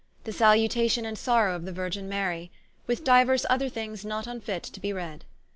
4 The Salutation and Sorrow of the Virgine Marie. With diuers other things not vnfit to be read.